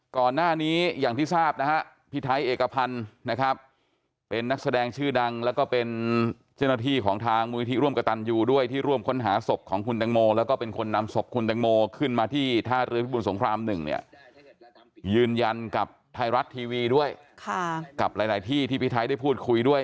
ก่อนหน้านี้อย่างที่ทราบนะฮะพี่ไทยเอกพันธ์นะครับเป็นนักแสดงชื่อดังแล้วก็เป็นเจ้าหน้าที่ของทางมูลนิธิร่วมกับตันยูด้วยที่ร่วมค้นหาศพของคุณแตงโมแล้วก็เป็นคนนำศพคุณแตงโมขึ้นมาที่ท่าเรือพิบุญสงคราม๑เนี่ยยืนยันกับไทยรัฐทีวีด้วยกับหลายที่ที่พี่ไทยได้พูดคุยด้วย